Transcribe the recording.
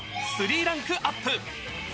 ３ランクアップ。